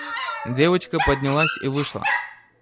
Девочка поднялась и вышла.